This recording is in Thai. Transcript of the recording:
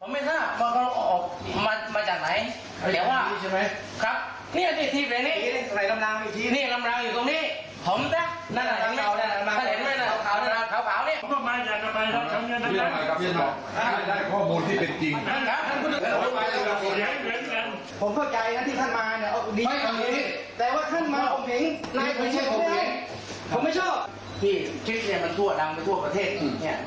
ผมไม่ชอบที่คลิปนี้มันทั่วดังทั่วประเทศแห่งวันนี้